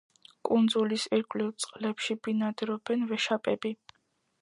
კუნძულის ირგვლივ წყლებში ბინადრობენ ვეშაპები.